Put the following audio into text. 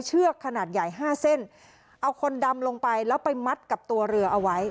เอาคนดำลงไปแล้วไปมัดกับตัวเรือเอาไว้